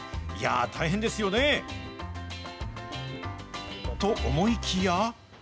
いやー、大変ですよね。と思いきや。